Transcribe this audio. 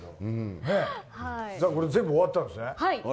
これで全部終わったんですね。